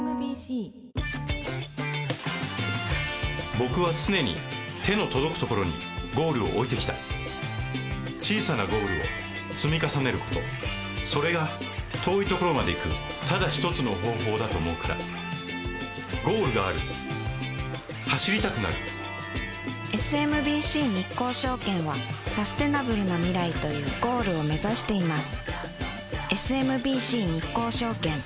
僕は常に手の届くところにゴールを置いてきた小さなゴールを積み重ねることそれが遠いところまで行くただ一つの方法だと思うからゴールがある走りたくなるＳＭＢＣ日興証券はサステナブルな未来というゴールを目指しています